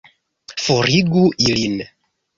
Forigu ilin!